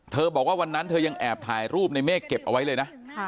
บอกว่าวันนั้นเธอยังแอบถ่ายรูปในเมฆเก็บเอาไว้เลยนะ